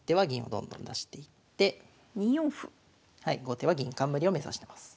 後手は銀冠を目指してます。